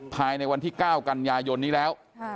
ภายในวันที่๙กันยายนนี้แล้ว